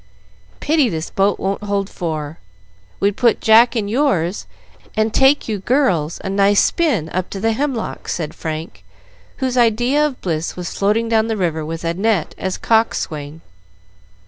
"Pity this boat won't hold four. We'd put Jack in yours, and take you girls a nice spin up to the Hemlocks," said Frank, whose idea of bliss was floating down the river with Annette as coxswain.